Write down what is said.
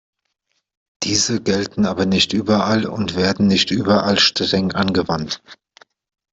Diese gelten aber nicht überall und werden nicht überall streng angewandt.